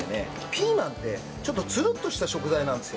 ピーマンってちょっとツルッとした食材なんですよ。